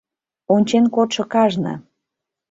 Ончен кодшо кажне.